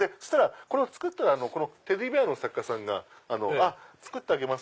テディベアの作家さんが作ってあげます！